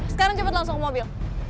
sekarang cepat langsung ke mobil